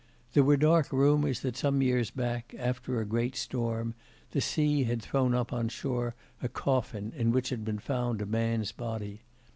There were dark rumours that some years back, after a great storm, the sea had thrown up on shore a coffin in which had been found a man's body...